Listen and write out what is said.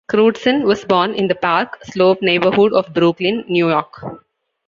Crewdson was born in the Park Slope neighborhood of Brooklyn, New York.